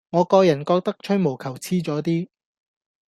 我個人覺得吹毛求疵左啲